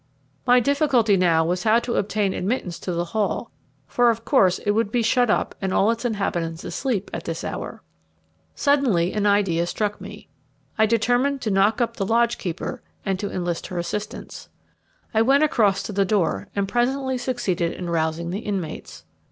My difficulty now was how to obtain admittance to the Hall, for of course it would be shut up and all its inhabitants asleep at this hour. Suddenly an idea struck me. I determined to knock up the lodge keeper, and to enlist her assistance. I went across to the door, and presently succeeded in rousing the inmates.